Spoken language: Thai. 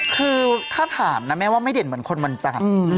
คือถ้าถามนะแม่ว่าไม่เด่นเหมือนคนวันจันทร์